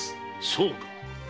そうか。